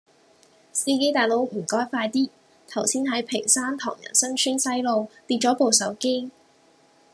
司機大佬唔該快啲，頭先喺屏山唐人新村西路跌左部手機